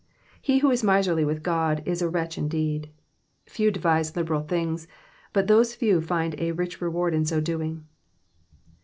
He who is miserly with God is a wretch indeed. Few devise liberal things, but those few find a rich reward in so doing.